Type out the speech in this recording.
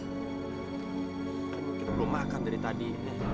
kita belum makan dari tadi